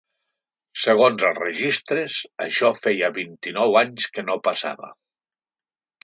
Segons els registres, això feia vint-i-nou anys que no passava.